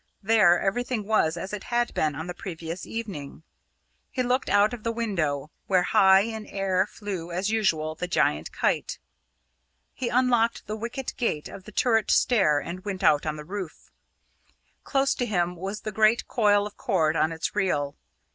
There everything was as it had been on the previous evening. He looked out of the window where high in air flew, as usual, the giant kite. He unlocked the wicket gate of the turret stair and went out on the roof. Close to him was the great coil of cord on its reel.